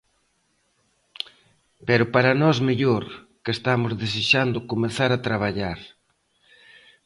Pero para nós mellor, que estamos desexando comezar a traballar.